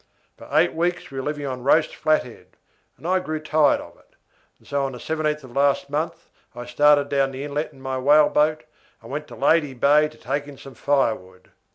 For eight weeks we were living on roast flat head, and I grew tired of it, so on the 17th of last month I started down the inlet in my whaleboat, and went to Lady Bay to take in some firewood.